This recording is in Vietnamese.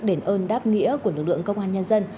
đền ơn đáp nghĩa của lực lượng công an nhân dân